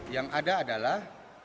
yang ada adalah